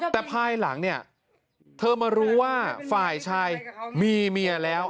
แต่ภายหลังเนี่ยเธอมารู้ว่าฝ่ายชายมีเมียแล้ว